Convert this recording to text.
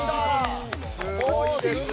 すごいですね。